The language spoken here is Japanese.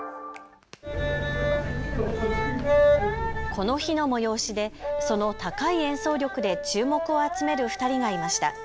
この日の催しでその高い演奏力で注目を集める２人がいました。